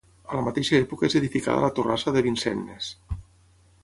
A la mateixa època és edificada la torrassa de Vincennes.